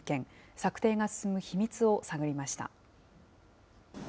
策定が進む秘密を探りました。